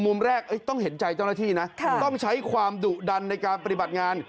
มุมแรกต้องเห็นใจเจ้าหน้าที่นะต้องใช้ความดุดันในการปฏิบัติงาน